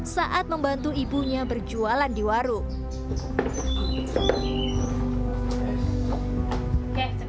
saat membantu ibunya berjualan di warung